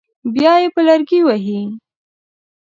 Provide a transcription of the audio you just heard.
بیا یې په لرګي وهي.